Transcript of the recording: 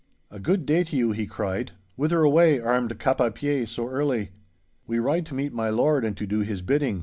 'A good day to you,' he cried. 'Whither away, armed cap à pie, so early?' 'We ride to meet my lord, and to do his bidding!